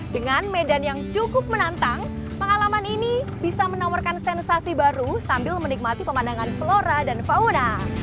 dengan medan yang cukup menantang pengalaman ini bisa menawarkan sensasi baru sambil menikmati pemandangan flora dan fauna